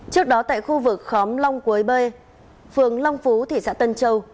trước đó tại khu vực khóm long quế bê phường long phú thị xã tân châu